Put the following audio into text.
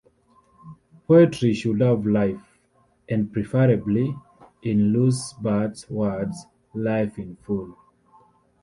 Poetry should have life, and preferably, in Lucebert's words, "life in full".